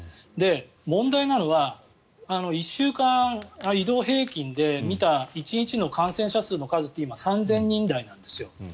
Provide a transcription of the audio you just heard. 問題なのは１週間移動平均で見た１日の感染者数の数って今、３０００人台なんですよ。